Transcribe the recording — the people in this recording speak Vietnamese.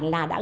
hứa là làm